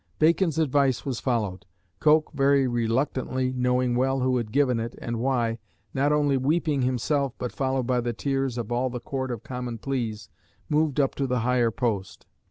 Bacon's advice was followed. Coke, very reluctantly, knowing well who had given it, and why, "not only weeping himself but followed by the tears" of all the Court of Common Pleas, moved up to the higher post.